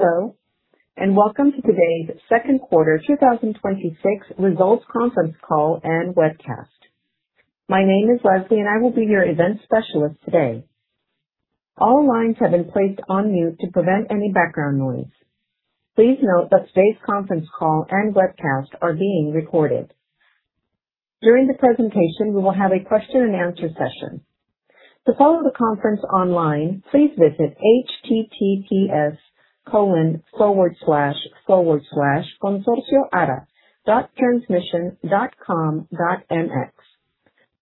Hello, welcome to today's second quarter 2026 results conference call and webcast. My name is Leslie. I will be your event specialist today. All lines have been placed on mute to prevent any background noise. Please note that today's conference call and webcast are being recorded. During the presentation, we will have a question-and-answer session. To follow the conference online, please visit https://consorcioara.transmision.com.mx. The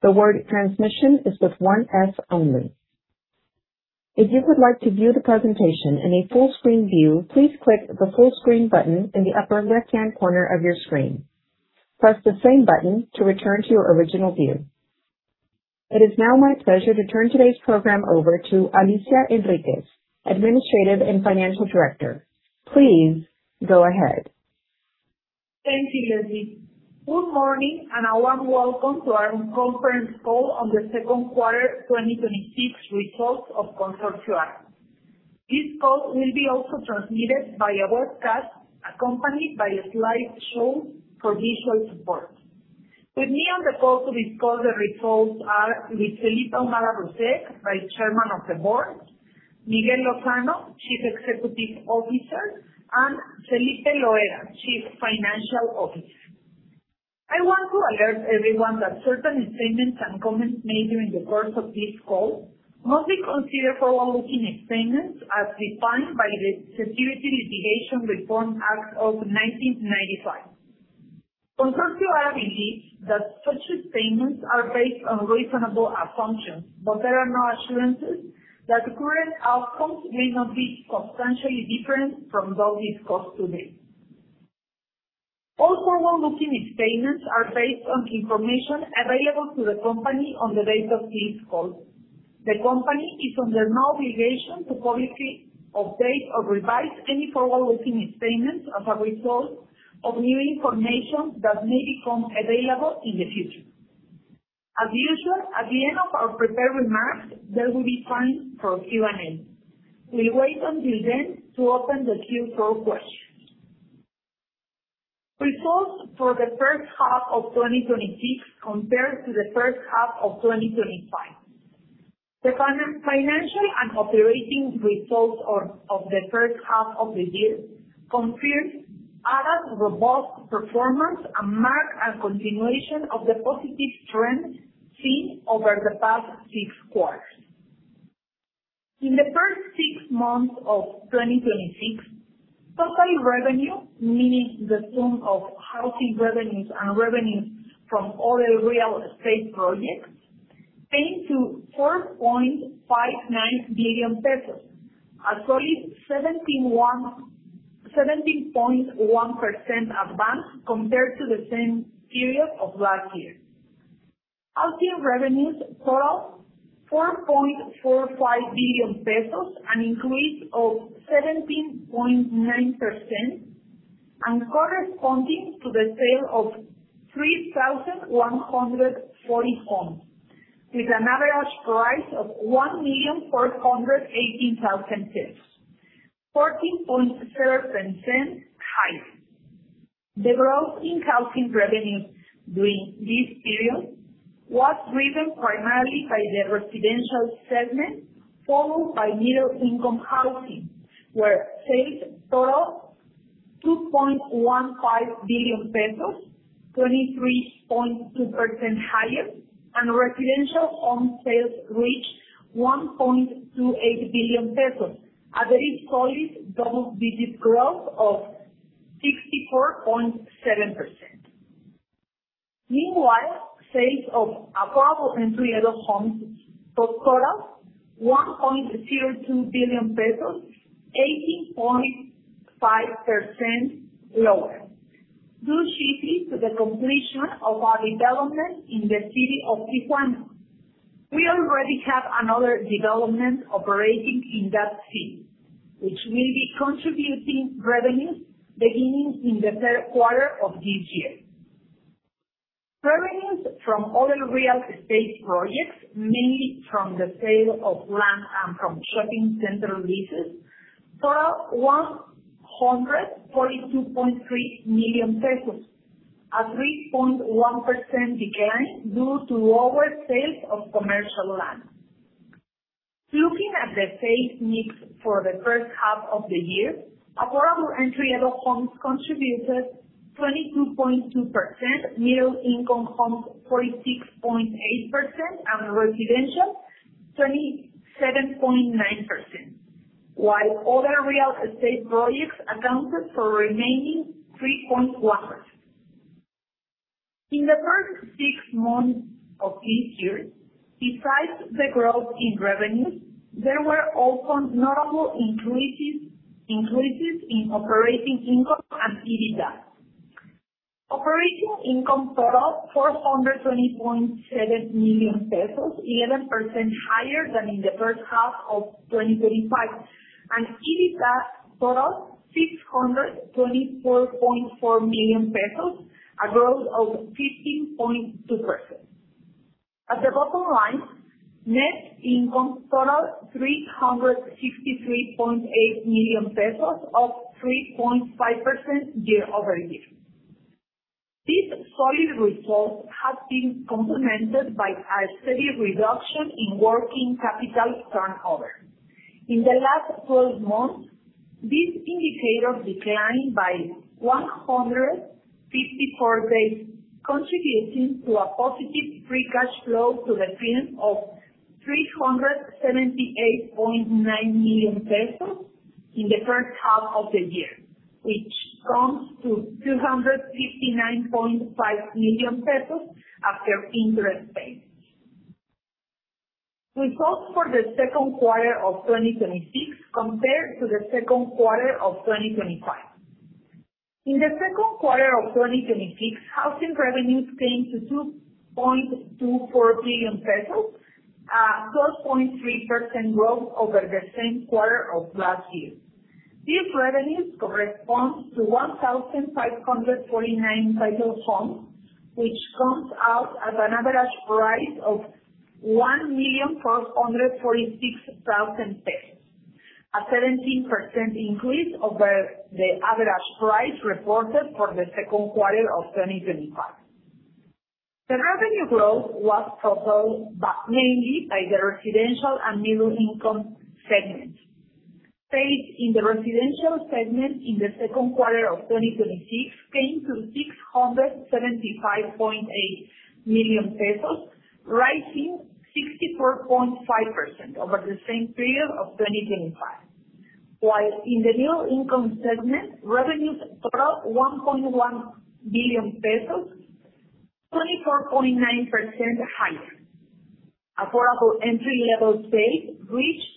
word transmission is with one S only. If you would like to view the presentation in a full-screen view, please click the full screen button in the upper left-hand corner of your screen. Press the same button to return to your original view. It is now my pleasure to turn today's program over to Alicia Enriquez, administrative and financial director. Please go ahead. Thank you, Leslie. Good morning, a warm welcome to our conference call on the second quarter 2026 results of Consorcio Ara. This call will be also transmitted by a webcast accompanied by a slide show for visual support. With me on the call to discuss the results are Luis Felipe Ahumada Russek, Vice Chairman of the Board, Miguel Lozano, Chief Executive Officer, and Felipe Loera, Chief Financial Officer. I want to alert everyone that certain statements and comments made during the course of this call must be considered forward-looking statements as defined by the Private Securities Litigation Reform Act of 1995. Consorcio Ara believes that such statements are based on reasonable assumptions, but there are no assurances that the current outcomes may not be substantially different from those discussed today. All forward-looking statements are based on information available to the company on the date of this call. The company is under no obligation to publicly update or revise any forward-looking statements as a result of new information that may become available in the future. As usual, at the end of our prepared remarks, there will be time for Q&A. We will wait until then to open the queue for questions. Results for the first half of 2026 compared to the first half of 2025. The financial and operating results of the first half of the year confirms Ara's robust performance and mark a continuation of the positive trend seen over the past six quarters. In the first six months of 2026, total revenue, meaning the sum of housing revenues and revenues from other real estate projects, came to 4.59 billion pesos, a solid 17.1% advance compared to the same period of last year. Housing revenues total 4.45 billion pesos, an increase of 17.9%, corresponding to the sale of 3,140 homes with an average price of 1,418,000, 14.0% higher. The growth in housing revenues during this period was driven primarily by the Residential segment, followed by Middle-Income housing, where sales totaled 2.15 billion pesos, 23.2% higher, and Residential home sales reached 1.28 billion pesos, a very solid double-digit growth of 64.7%. Meanwhile, sales of Affordable Entry-Level homes totaled MXN 1.02 billion, 18.5% lower, due chiefly to the completion of our development in the city of Tijuana. We already have another development operating in that city, which will be contributing revenues beginning in the third quarter of this year. Revenues from other real estate projects, mainly from the sale of land and from shopping center leases, totaled 142.3 million pesos, a 3.1% decline due to lower sales of commercial land. Looking at the sales mix for the first half of the year, Affordable Entry-Level homes contributed 22.2%, Middle-Income homes 46.8%, and Residential 27.9%, while other real estate projects accounted for remaining 3.1%. In the first six months of this year, besides the growth in revenues, there were also notable increases in operating income and EBITDA. Operating income totaled 420.7 million pesos, 11% higher than in the first half of 2025, and EBITDA totaled 624.4 million pesos, a growth of 15.2%. At the bottom line, net income totaled MXN 363.8 million, up 3.5% year-over-year. This solid result has been complemented by a steady reduction in working capital turnover. In the last 12 months, this indicator declined by 154 days, contributing to a positive free cash flow to the tune of 378.9 million pesos in the first half of the year, which comes to 259.5 million pesos after interest paid. Results for the second quarter of 2026 compared to the second quarter of 2025. In the second quarter of 2026, housing revenues came to 2.24 billion pesos, a 12.3% growth over the same quarter of last year. These revenues correspond to 1,549 title homes, which comes out at an average price of 1,446,000 pesos, a 17% increase over the average price reported for the second quarter of 2025. The revenue growth was propelled mainly by the Residential and Middle-Income segments. Sales in the Residential segment in the second quarter of 2026 came to 675.8 million pesos, rising 64.5% over the same period of 2025. While in the Middle-Income segment, revenues total 1.1 billion pesos, 24.9% higher. Affordable Entry-Level sales reached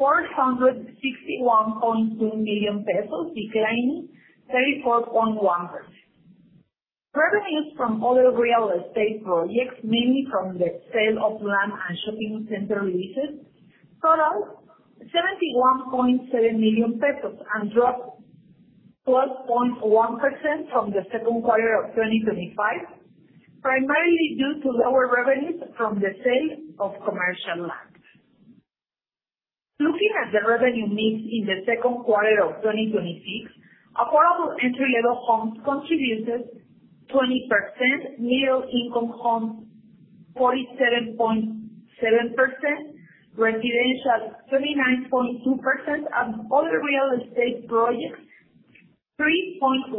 MXN 461.2 million, declining 34.1%. Revenues from other real estate projects, mainly from the sale of land and shopping center leases, total MXN 71.7 million and dropped 12.1% from the second quarter of 2025, primarily due to lower revenues from the sale of commercial land. Looking at the revenue mix in the second quarter of 2026, Affordable Entry-Level homes contributed 20%, Middle-Income homes 47.7%, Residential 29.2%, and other real estate projects 3.1%.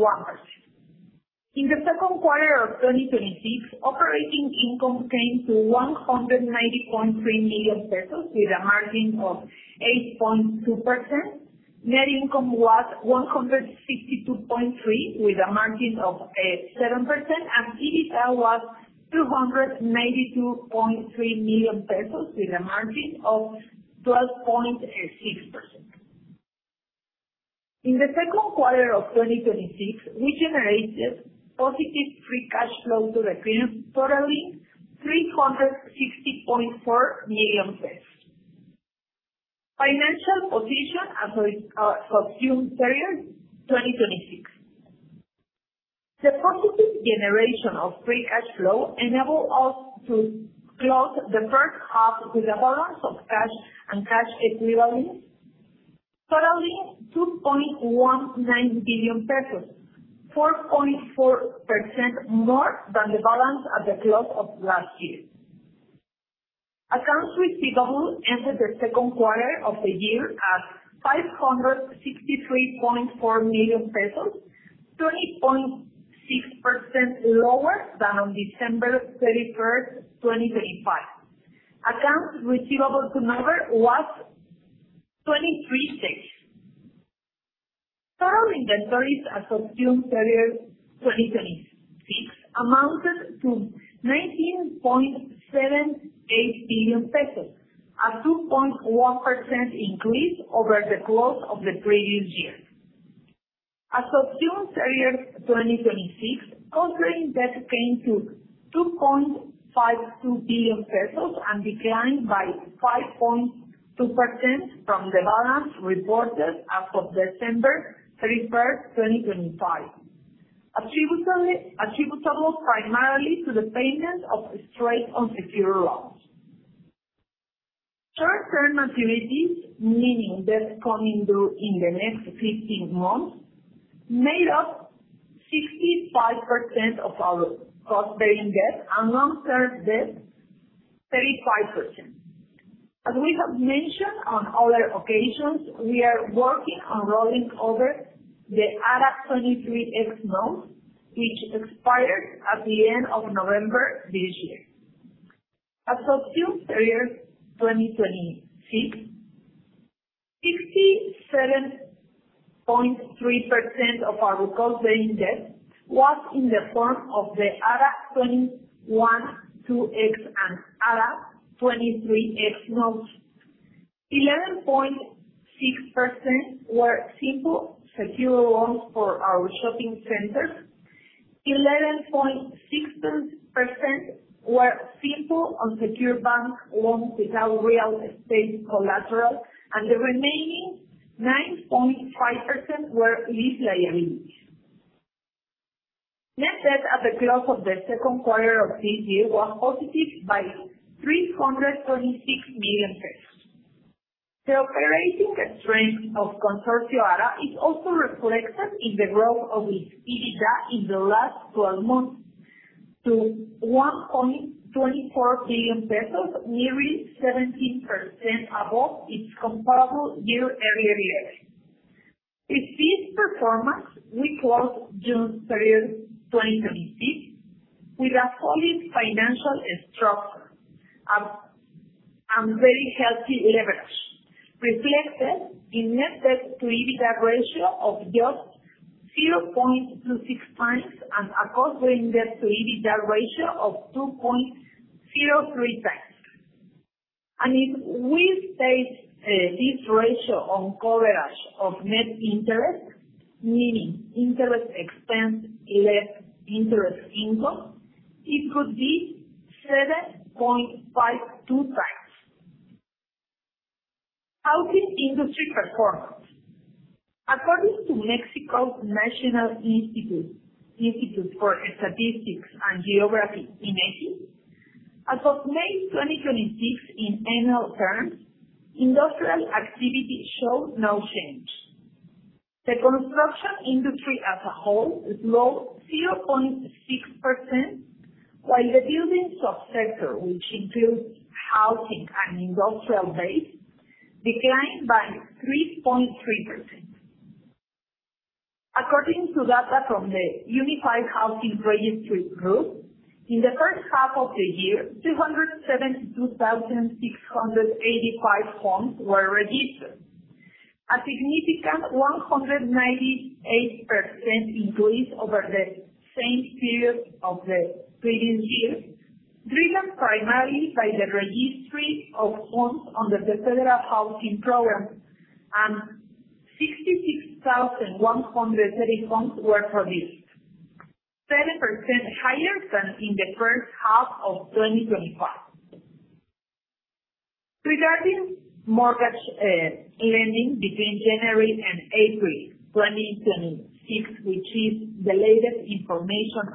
In the second quarter of 2026, operating income came to 190.3 million pesos with a margin of 8.2%. Net income was 162.3 million with a margin of 7%, and EBITDA was 292.3 million pesos with a margin of 12.6%. In the second quarter of 2026, we generated positive free cash flow to the tune totaling 360.4 million pesos. Financial position as of June 30th, 2026. The positive generation of free cash flow enabled us to close the first half with a balance of cash and cash equivalents totaling MXN 2.19 billion, 4.4% more than the balance at the close of last year. Accounts receivable ended the second quarter of the year at 563.4 million pesos, 20.6% lower than on December 31st, 2025. Accounts receivable turnover was 23 days. Total inventories as of June 30th, 2026 amounted to MXN 19.78 billion, a 2.1% increase over the close of the previous year. As of June 30th, 2026, total debt came to 2.52 billion pesos and declined by 5.2% from the balance reported as of December 31st, 2025. Attributable primarily to the payment of straight unsecured loans. Short-term maturities, meaning debts coming due in the next 15 months, made up 65% of our outstanding debt, and long-term debt, 35%. As we have mentioned on other occasions, we are working on rolling over the ARA 23X notes, which expire at the end of November this year. As of June 30th, 2026, 67.3% of our outstanding debt was in the form of the ARA 21-2X and ARA 23X notes. 11.6% were simple secured loans for our shopping centers, 11.6% were simple unsecured bank loans without real estate collateral, and the remaining 9.5% were lease liabilities. Net debt at the close of the second quarter of this year was positive by 326 million. The operating strength of Consorcio Ara is also reflected in the growth of its EBITDA in the last 12 months to 1.24 billion pesos, nearly 17% above its comparable year-over-year. With this performance, we close June 30th, 2026, with a solid financial structure and very healthy leverage reflected in net debt to EBITDA ratio of just 0.26 times and a core debt to EBITDA ratio of 2.03 times. If we state this ratio on coverage of net interest, meaning interest expense less interest income, it would be 7.52 times. How did the industry perform? According to Mexico's National Institute of Statistics and Geography, INEGI, as of May 2026, in annual terms, industrial activity showed no change. The construction industry as a whole is low, 0.6%, while the building subsector, which includes housing and industrial base, declined by 3.3%. According to data from the Unified Housing Registry, in the first half of the year, 272,685 homes were registered. A significant 198% increase over the same period of the previous year, driven primarily by the registry of homes under the Federal Housing Program. 66,130 homes were produced, 7% higher than in the first half of 2025. Regarding mortgage lending between January and April 2026, which is the latest information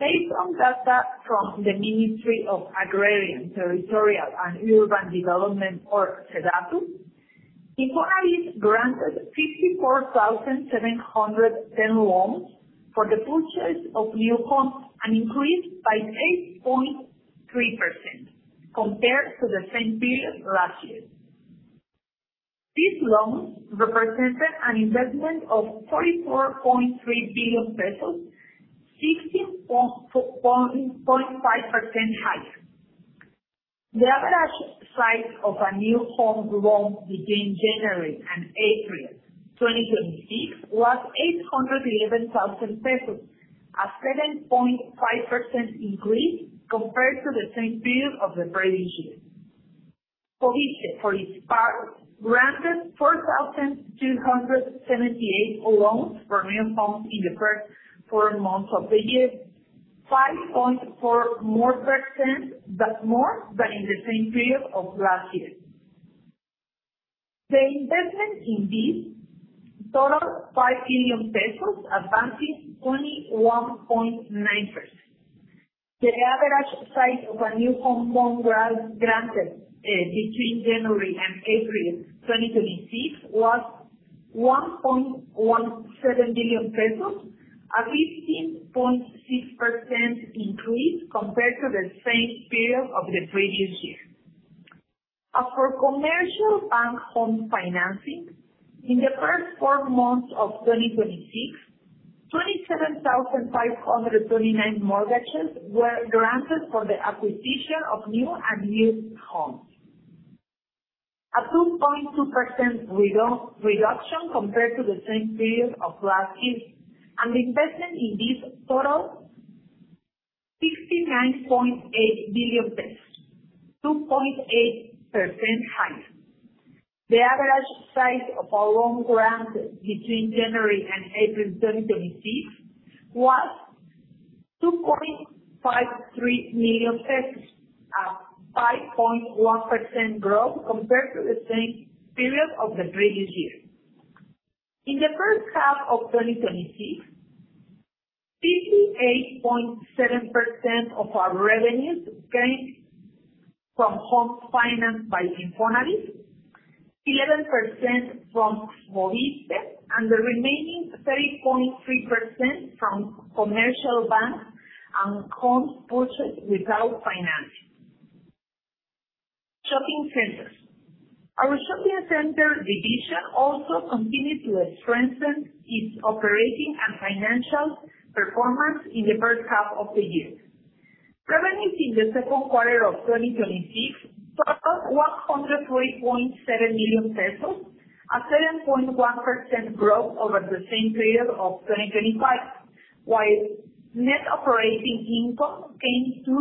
available, based on data from the Secretariat of Agrarian, Land, and Urban Development or SEDATU, INFONAVIT granted 54,710 loans for the purchase of new homes, an increase by 8.3% compared to the same period last year. These loans represented an investment of 44.3 billion pesos, 16.5% higher. The average size of a new home loan between January and April 2026 was 811,000 pesos, a 7.5% increase compared to the same period of the previous year. FOVISSSTE, for its part, granted 4,278 loans for new homes in the first four months of the year, 5.4% more than in the same period of last year. The investment in these totaled MXN 5 billion, advancing 21.9%. The average size of a new home loan granted between January and April 2026 was 1.17 billion pesos, a 15.6% increase compared to the same period of the previous year. As for commercial bank home financing, in the first four months of 2026, 27,529 mortgages were granted for the acquisition of new and used homes. 2.2% reduction compared to the same period of last year. Investment in this totaled 69.8 billion pesos, 2.8% higher. The average size of a loan granted between January and April 2026 was 2.53 million pesos, a 5.1% growth compared to the same period of the previous year. In the first half of 2026, 58.7% of our revenues came from homes financed by INFONAVIT, 11% from FOVISSSTE, and the remaining 3.3% from commercial banks and homes purchased without financing. Shopping centers. Our shopping center division also continued to strengthen its operating and financial performance in the first half of the year. Revenues in the second quarter of 2026 totaled 103.7 million pesos, a 7.1% growth over the same period of 2025. While Net Operating Income came to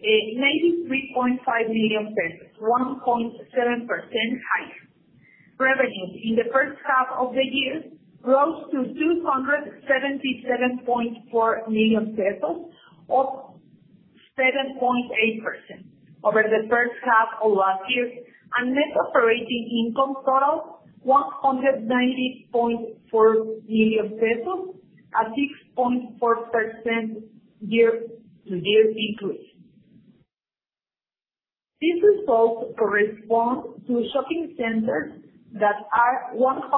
MXN 93.5 million, 1.7% higher. Revenues in the first half of the year rose to 277.4 million pesos, also 7.8% over the first half of last year, and Net Operating Income totaled 190.4 million pesos, a 6.4% year-over-year decrease. These results correspond to shopping centers that are 100%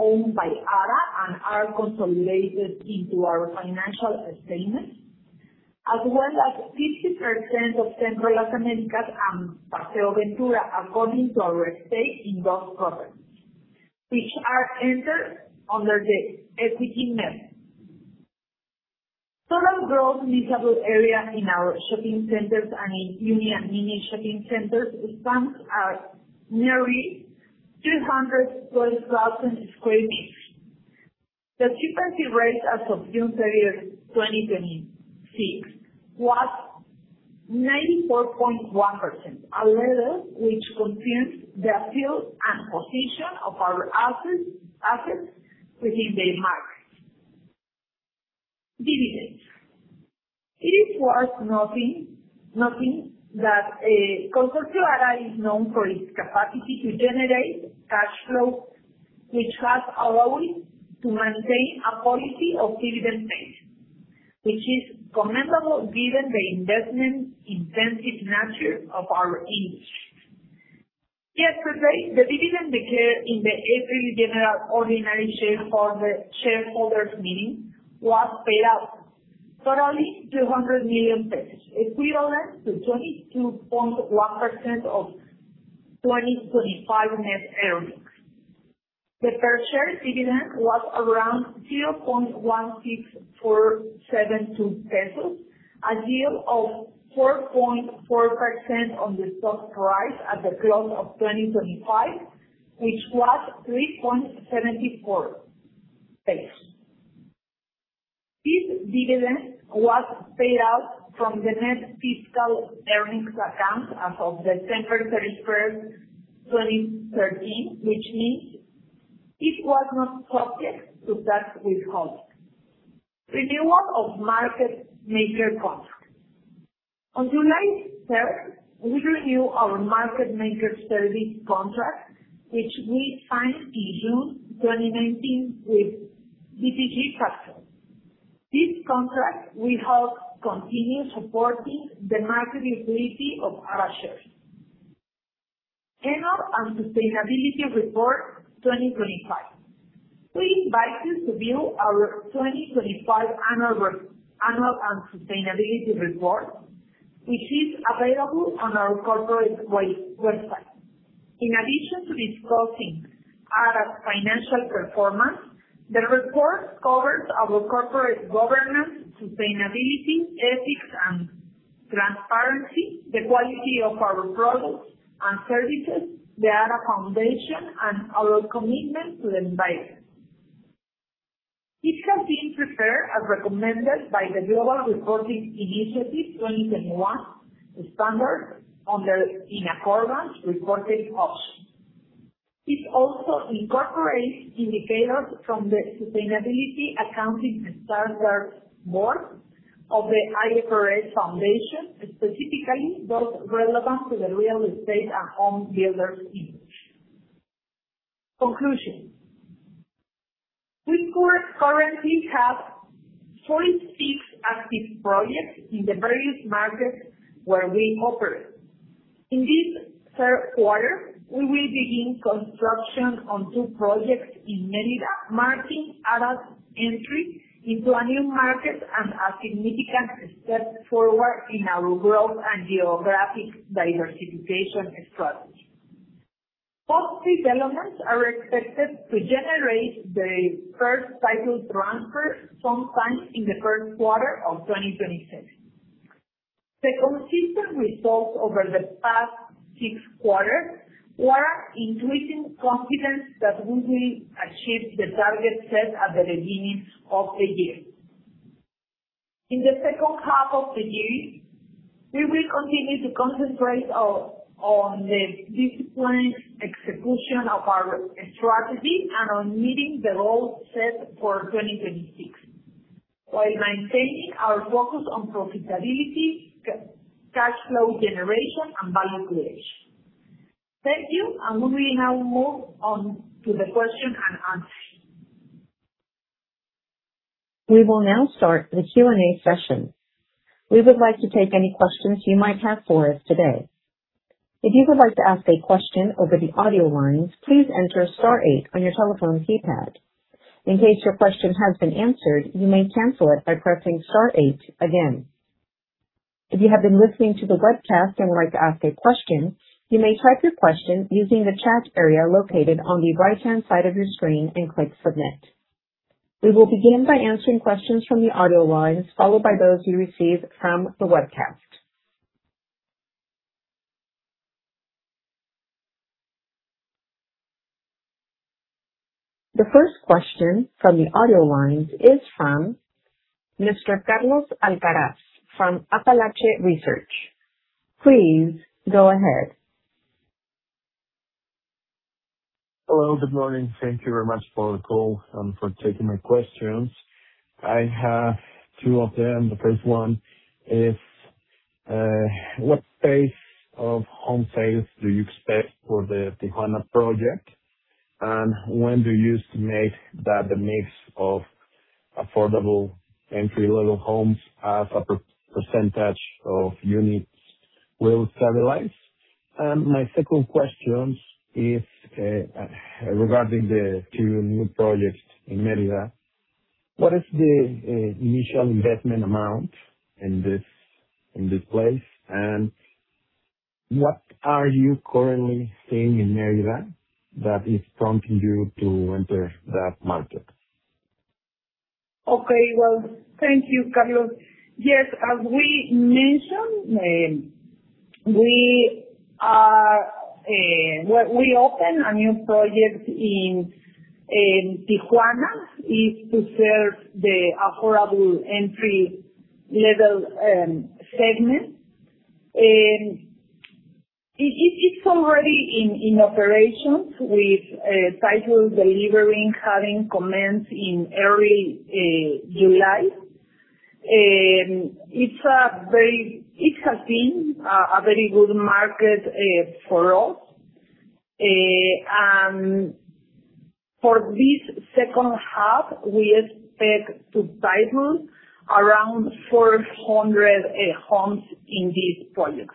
owned by Ara and are consolidated into our financial statements, as well as 50% of Centro Las Américas and Paseo Ventura according to our stake in those properties, which are entered under the equity method. Total Gross Leasable Area in our shopping centers and in uni and mini shopping centers stands at nearly 212,000 sq m. The occupancy rate as of June 30, 2026, was 94.1%, a level which confirms the appeal and position of our assets within the market. Dividends. It is worth noting that Consorcio Ara is known for its capacity to generate cash flow, which has allowed it to maintain a policy of dividend payment, which is commendable given the investment-intensive nature of our industry. Yesterday, the dividend declared in the eighth general ordinary shareholders meeting was paid out, totaling 200 million, equivalent to 22.1% of 2025 net earnings. The per share dividend was around 0.16472 pesos, a yield of 4.4% on the stock price at the close of 2025, which was 3.74 pesos. This dividend was paid out from the Net After-Tax Earnings Account as of December 31, 2013, which means it was not subject to tax withholding. Renewal of market maker contract. On July 3, we renew our market maker service contract, which we signed in June 2019 with BTG Pactual. This contract will help continue supporting the market liquidity of Ara shares. Annual and sustainability report 2025. We invite you to view our 2025 annual and sustainability report, which is available on our corporate website. In addition to discussing Ara's financial performance, the report covers our corporate governance, sustainability, ethics, and transparency, the quality of our products and services, the ARA Foundation, and our commitment to the environment. It has been prepared as recommended by the Global Reporting Initiative 2021 standards under in accordance reporting option. It also incorporates indicators from the Sustainability Accounting Standards Board of the IFRS Foundation, specifically those relevant to the real estate and home builders industry. Conclusion. We currently have 46 active projects in the various markets where we operate. In this third quarter, we will begin construction on two projects in Mérida, marking Ara's entry into a new market and a significant step forward in our growth and geographic diversification strategy. Both developments are expected to generate the first title transfer sometime in the first quarter of 2026. The consistent results over the past six quarters are increasing confidence that we will achieve the target set at the beginning of the year. In the second half of the year, we will continue to concentrate on the disciplined execution of our strategy and on meeting the goals set for 2026 while maintaining our focus on profitability, cash flow generation, and value creation. Thank you, we will now move on to the question and answer. We will now start the Q&A session. We would like to take any questions you might have for us today. If you would like to ask a question over the audio lines, please enter star eight on your telephone keypad. In case your question has been answered, you may cancel it by pressing star eight again. If you have been listening to the webcast and would like to ask a question, you may type your question using the chat area located on the right-hand side of your screen and click submit. We will begin by answering questions from the audio lines, followed by those we receive from the webcast. The first question from the audio lines is from Mr. Carlos Alcaraz from Apalache Research. Please go ahead. Hello. Good morning. Thank you very much for the call and for taking my questions. I have two of them. The first one is, what pace of home sales do you expect for the Tijuana project? When do you estimate that the mix of affordable entry-level homes as a percentage of units will stabilize? My second question is regarding the two new projects in Mérida. What is the initial investment amount in this place, and what are you currently seeing in Mérida that is prompting you to enter that market? Okay. Well, thank you, Carlos. Yes. As we mentioned, we opened a new project in Tijuana. It's to serve the affordable entry-level segment. It's already in operation, with title delivering having commenced in early July. It has been a very good market for us. For this second half, we expect to title around 400 homes in this project.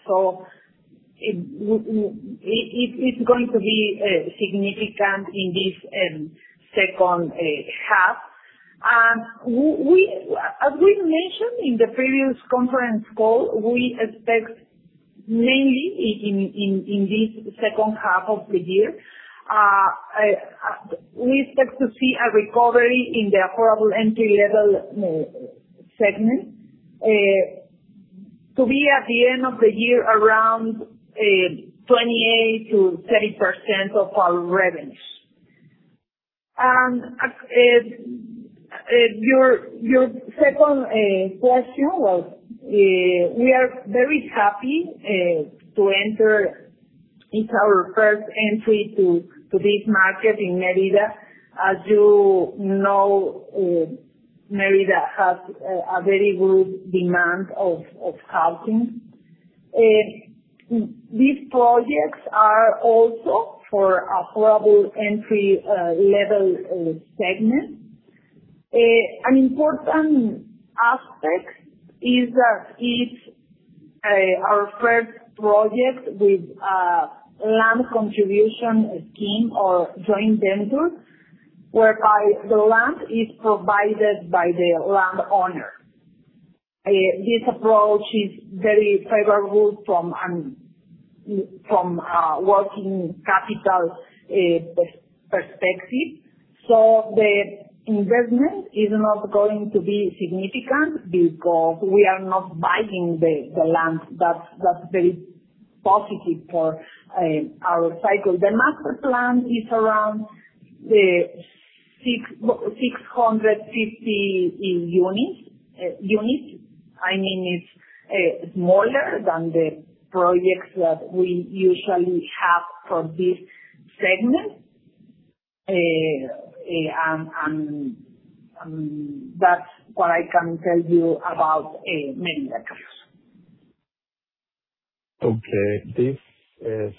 It's going to be significant in this second half. As we mentioned in the previous conference call, we expect mainly in this second half of the year, we expect to see a recovery in the affordable entry-level segment, to be, at the end of the year, around 28%-30% of our revenues. Your second question, well, we are very happy to enter. It's our first entry to this market in Mérida. As you know, Mérida has a very good demand of housing. These projects are also for Affordable Entry-Level segments. An important aspect is that it's our first project with a land contribution scheme or joint venture, whereby the land is provided by the land owner. This approach is very favorable from a working capital perspective. The investment is not going to be significant because we are not buying the land. That's very positive for our cycle. The maximum is around 650 units. It's smaller than the projects that we usually have for this segment. That's what I can tell you about Mérida. Okay. This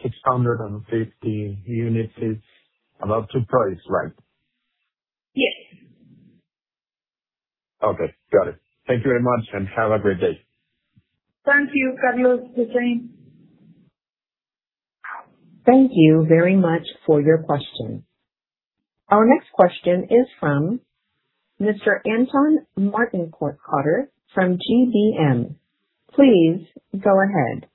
650 units is about to price, right? Yes. Okay. Got it. Thank you very much, and have a great day. Thank you, Carlos. The same. Thank you very much for your question. Our next question is from Mr. Anton Mortenkotter from GBM. Please go ahead.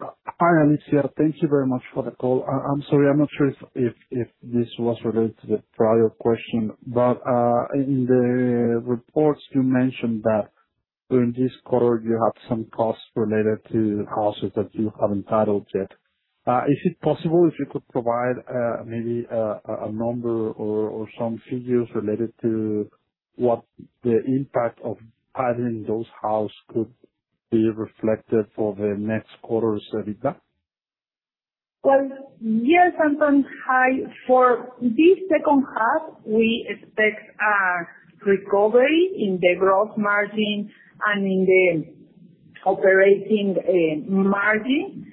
Hi, Alicia. Thank you very much for the call. I am sorry. I am not sure if this was related to the prior question, in the reports you mentioned that during this quarter you have some costs related to houses that you have not titled yet. Is it possible if you could provide maybe a number or some figures related to what the impact of titling those house could be reflected for the next quarter's EBITDA? Well, yes, Anton. Hi. For this second half, we expect a recovery in the gross margin and in the operating margin.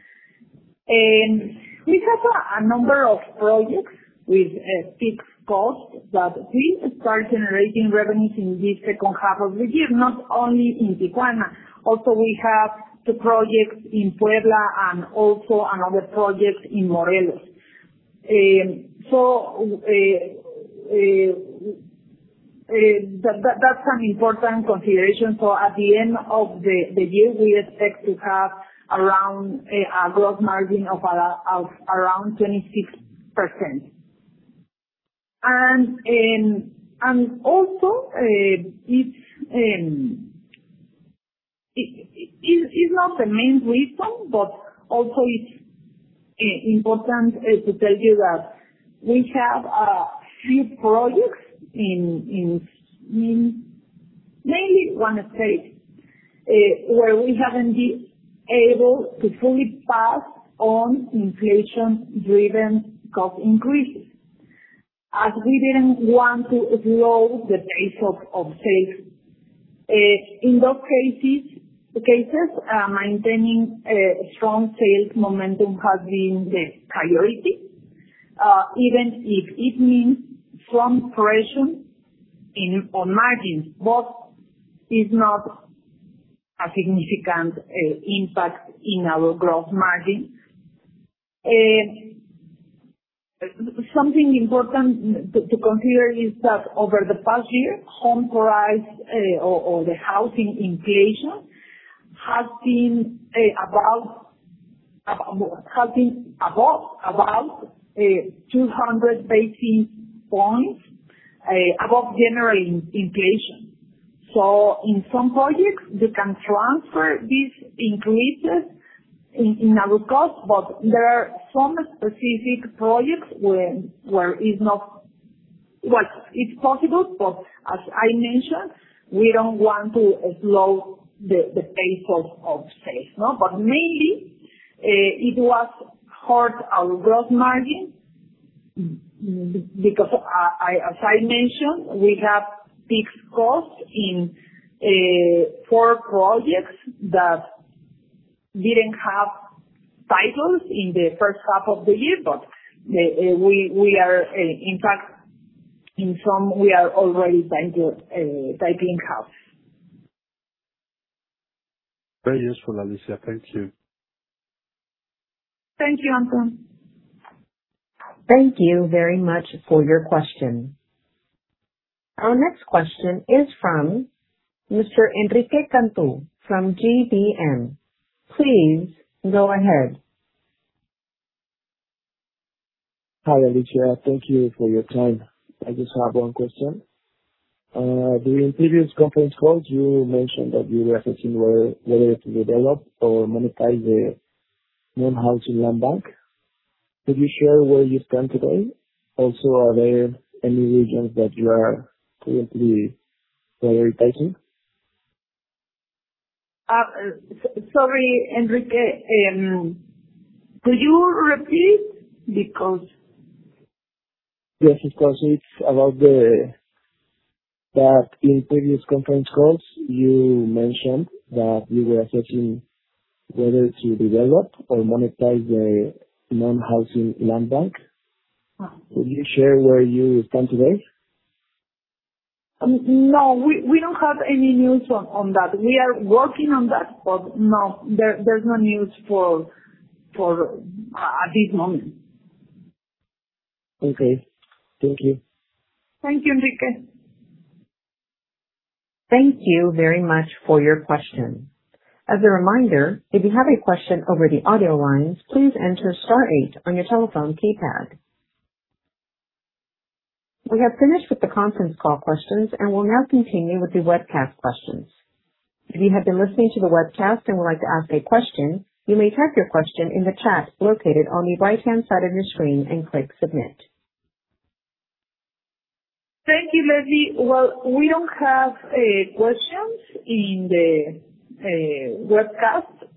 We have a number of projects with fixed costs that will start generating revenues in this second half of the year, not only in Tijuana. We have two projects in Puebla and also another project in Morelos. That is an important consideration. At the end of the year, we expect to have around a gross margin of around 26%. It is not the main reason, but also it is important to tell you that we have a few projects in Mainly one space where we have not been able to fully pass on inflation-driven cost increases, as we did not want to slow the pace of sales. In those cases, maintaining a strong sales momentum has been the priority, even if it means some pressure on margins, it is not a significant impact in our gross margin. Something important to consider is that over the past year, home price or the housing inflation has been above 200 basis points above general inflation. In some projects, you can transfer these increases in our cost, there are some specific projects where it is possible, as I mentioned, we do not want to slow the pace of sales. Mainly, it has hurt our gross margin because, as I mentioned, we have fixed costs in four projects that did not have titles in the first half of the year. We are, in fact, in some, we are already titling houses. Very useful, Alicia. Thank you. Thank you, Anton. Thank you very much for your question. Our next question is from Mr. Enrique Cantú from GBM. Please go ahead. Hi, Alicia. Thank you for your time. I just have one question. During previous conference calls, you mentioned that you were assessing whether to develop or monetize the non-housing land bank. Could you share where you stand today? Also, are there any regions that you are currently prioritizing? Sorry, Enrique. Could you repeat? Yes, of course. It's about that in previous conference calls, you mentioned that you were assessing whether to develop or monetize the non-housing land bank. Oh. Could you share where you stand today? No, we don't have any news on that. We are working on that. There's no news at this moment. Okay. Thank you. Thank you, Enrique. Thank you very much for your question. As a reminder, if you have a question over the audio lines, please enter star eight on your telephone keypad. We have finished with the conference call questions, and we'll now continue with the webcast questions. If you have been listening to the webcast and would like to ask a question, you may type your question in the chat located on the right-hand side of your screen and click submit. Thank you, Leslie. We don't have questions in the webcast.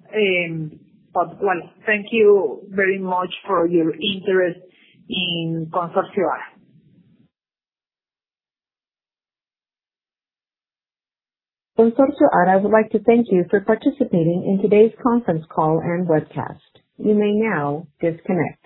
Thank you very much for your interest in Consorcio Ara. Consorcio Ara would like to thank you for participating in today's conference call and webcast. You may now disconnect.